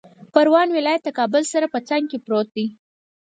پروان ولایت د کابل سره په څنګ کې پروت دی